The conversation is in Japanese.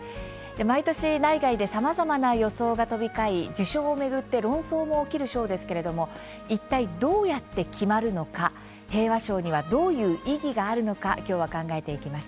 毎年、内外でさまざまな予想が飛び交い授賞を巡って論争も起きる賞ですけれどもいったいどうやって決まるのか平和賞には、どういう意義があるのか、きょうは考えます。